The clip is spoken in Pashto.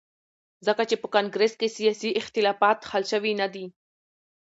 ځکه چې په کانګرس کې سیاسي اختلافات حل شوي ندي.